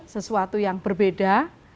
sesuatu yang berbeda